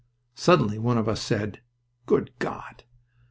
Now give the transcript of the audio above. Suddenly one of us said, "Good God!"